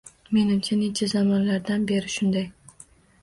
Menimcha, necha zamonlardan beri shunday